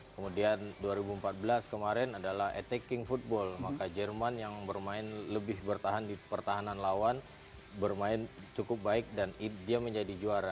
kemudian dua ribu empat belas kemarin adalah attacking football maka jerman yang bermain lebih bertahan di pertahanan lawan bermain cukup baik dan dia menjadi juara